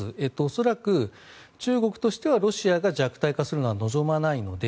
恐らく中国としてはロシアが弱体化するのは望まないので